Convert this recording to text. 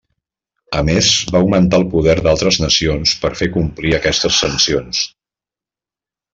A més, va augmentar el poder d'altres nacions per fer complir aquestes sancions.